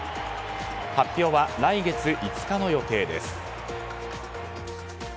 発表は来月５日の予定です。